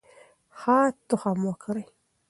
ښه تخم وکرئ.